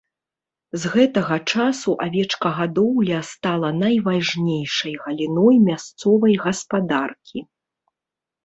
З гэтага часу авечкагадоўля стала найважнейшай галіной мясцовай гаспадаркі.